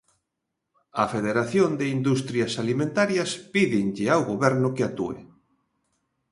A Federación de industrias alimentarias pídenlle ao goberno que actúe.